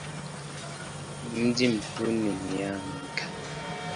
Mji mkuu ni Muyinga.